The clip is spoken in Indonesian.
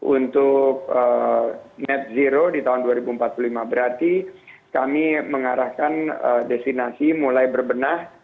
untuk net zero di tahun dua ribu empat puluh lima berarti kami mengarahkan destinasi mulai berbenah